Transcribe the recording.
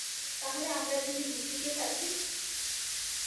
তাহলে আমরা যদি মিস্টিক এ থাকি!